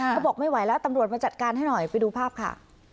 เขาบอกไม่ไหวแล้วตำรวจมาจัดการให้หน่อยไปดูภาพค่ะ